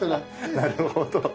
なるほど。